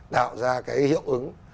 tạo ra cái hiệu ứng